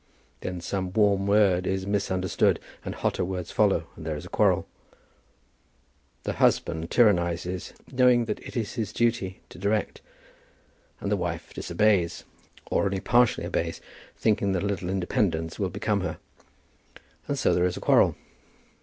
then some warm word is misunderstood and hotter words follow and there is a quarrel. The husband tyrannizes, knowing that it is his duty to direct, and the wife disobeys, or only partially obeys, thinking that a little independence will become her, and so there is a quarrel.